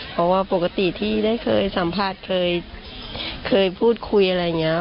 เพราะว่าปกติที่ได้เคยสัมผัสเคยพูดคุยอะไรอย่างนี้